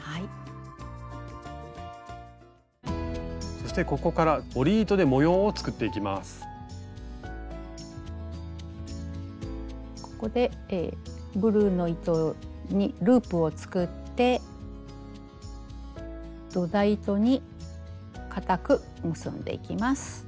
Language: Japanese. そしてここからここでブルーの糸にループを作って土台糸に固く結んでいきます。